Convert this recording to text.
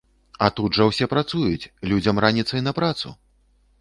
А тут жа ўсе працуюць, людзям раніцай на працу!